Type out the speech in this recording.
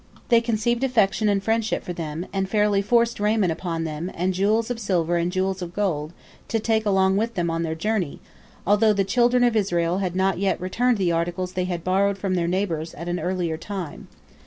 They conceived affection and friendship for them, and fairly forced raiment upon them, and jewels of silver and jewels of gold, to take along with them on their journey, although the children of Israel had not yet returned the articles they had borrowed from their neighbors at an earlier time.